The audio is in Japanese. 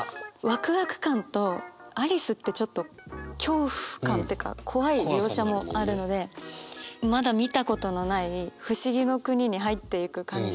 ワクワク感とアリスってちょっと恐怖感っていうか怖い描写もあるのでまだ見たことのない不思議の国に入っていく感じがしましたね。